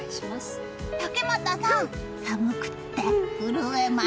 竹俣さん、寒くって震えます。